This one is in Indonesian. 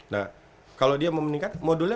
nah kalau dia mau meningkat modulnya